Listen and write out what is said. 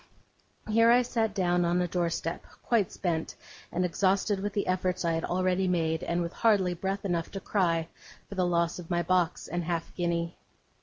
Here I sat down on a doorstep, quite spent and exhausted with the efforts I had already made, and with hardly breath enough to cry for the loss of my box and half guinea.